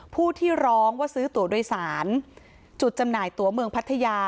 ผู้ที่ร้องว่าซื้อตัวโดยสารจุดจำหน่ายตัวเมืองพัทยา